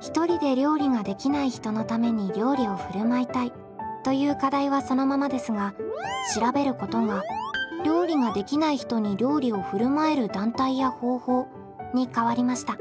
ひとりで料理ができない人のために料理をふるまいたいという課題はそのままですが「調べること」が料理ができない人に料理をふるまえる団体や方法に変わりました。